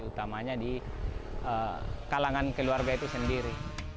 utamanya di kalangan keluarga itu sendiri